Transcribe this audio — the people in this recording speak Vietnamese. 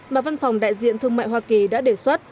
mà văn phòng đại diện thương mại hoa kỳ đã đề xuất